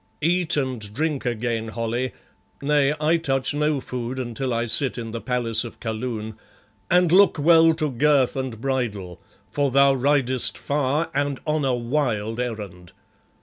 Eat and drink again, Holly nay, I touch no food until I sit in the palace of Kaloon and look well to girth and bridle, for thou ridest far and on a wild errand.